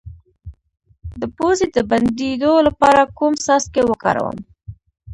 د پوزې د بندیدو لپاره کوم څاڅکي وکاروم؟